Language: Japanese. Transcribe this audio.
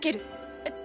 えっ。